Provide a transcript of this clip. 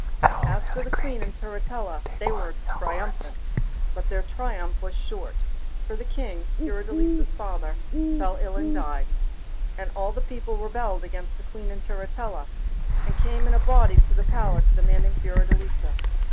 As for the Queen and Turritella, they were triumphant; but their triumph was short, for the King, Fiordelisa's father, fell ill and died, and all the people rebelled against the Queen and Turritella, and came in a body to the palace demanding Fiordelisa.